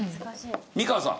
美川さん。